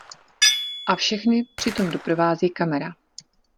A všechny při tom doprovází kamera...